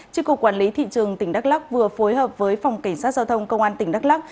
tri cục quản lý thị trường tỉnh đắk lắc vừa phối hợp với phòng cảnh sát giao thông công an tỉnh đắk lắc